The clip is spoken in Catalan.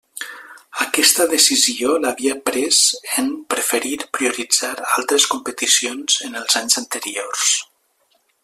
Aquesta decisió l'havia pres en preferir prioritzar altres competicions en els anys anteriors.